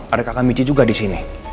ada kakak michi juga disini